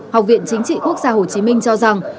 học viện chính trị quốc gia hồ chí minh cho rằng